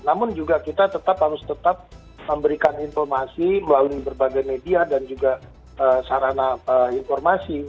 namun juga kita tetap harus tetap memberikan informasi melalui berbagai media dan juga sarana informasi